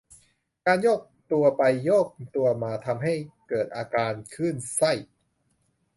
การโยกตัวไปโยกตัวมาทำให้เกิดอาการคลื่นไส้